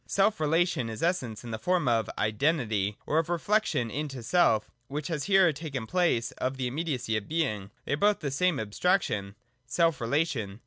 113.] Self relation in Essence is the form of Identity or of reflection into self, which has here taken the place of the immediacy of Being. They are both the same abstraction, — self relation.